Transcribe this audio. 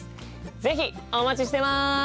是非お待ちしてます！